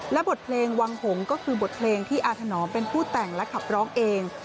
และบทเพลงวังหงษ์ก็คือบทเพลงที่อาถนอมเป็นผู้แต่งและขับร้องเอง